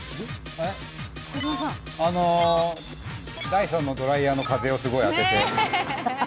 ダイソンのドライヤーの風をすごい当てて。